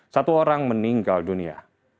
satu orang meninggal dunia